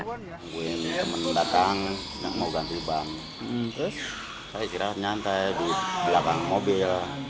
terus saya istirahat nyantai di belakang mobil